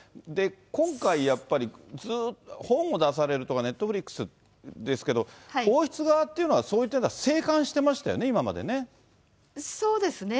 今回やっぱり、本を出されるとか、ネットフリックスですけど、王室側っていうのはそういったような静観してましたよね、今までそうですね。